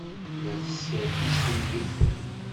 La teskerkis fell-i.